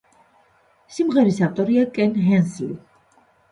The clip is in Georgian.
სიმღერის ავტორია კენ ჰენსლი.